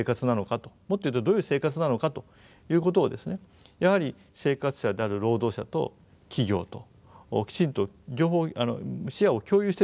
もっと言うとどういう生活なのかということをやはり生活者である労働者と企業ときちんと両方視野を共有してですね